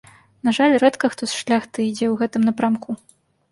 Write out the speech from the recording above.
На жаль, рэдка хто з шляхты ідзе ў гэтым напрамку.